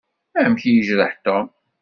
Amek i yejreḥ Tom?